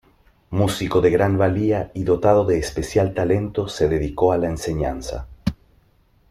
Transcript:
Músico de gran valía y dotado de especial talento, se dedicó a la enseñanza.